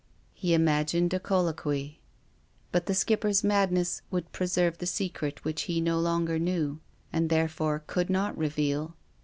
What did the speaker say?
He imagined a colloquy. But the Skipper's madness would preserve the secret which he no longer knew, and, therefore, could not reveal.